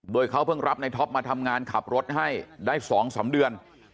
โดยเขาเพิ่งรับในท็อปมาทำงานขับรถให้ได้๒๓เดือน